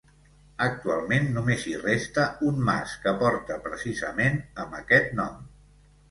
Actualment només hi resta un mas, que porta precisament amb aquest nom.